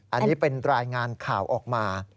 อันนี้เป็นรายงานข่าวออกมา